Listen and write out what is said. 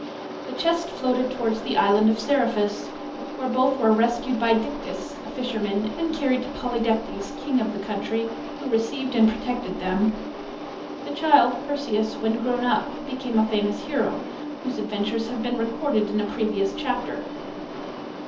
The chest floated towards the island of Seriphus, where both were rescued by Dictys, a fisherman, and carried to Polydectes, king of the country, who received and protected them. The child, Perseus, when grown up became a famous hero, whose adventures have been recorded in a previous chapter.